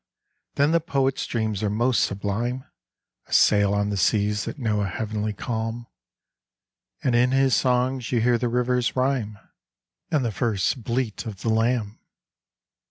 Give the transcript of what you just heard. then the poet's dreams are most sublime, A sail on seas that know a heavenly calm. And in his song you hear the river's rhyme, 29 30 BOUND TO THE MAST And the first bleat of the lamb.